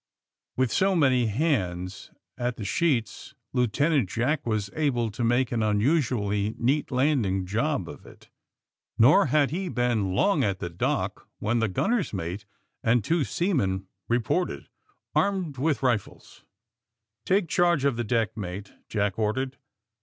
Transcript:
With so many hands at the sheets Lieutenant Jack was able to make an unusually neat landing job of it. Nor had he been long at the dock when the gunner's mate and two seamen reported, armed with rifles. Take charge of the deck, mate," Jack or dered.